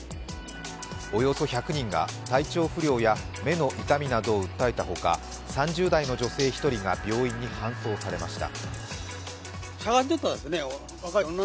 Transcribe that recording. およそ１００人が体調不良や目の痛みを訴えたほか、３０代の女性１人が病院に搬送されました。